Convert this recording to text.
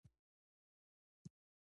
کرکټ زموږ فرهنګي ارزښت هم دئ.